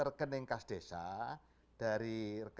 rekening kas desa dari